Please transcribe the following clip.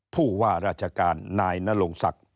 ผู้ว่าราชการนายนรงศักดิ์